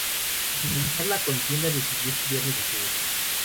Tras finalizar la contienda decidió estudiar Medicina.